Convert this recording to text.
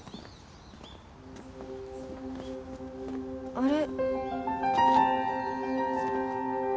あれ？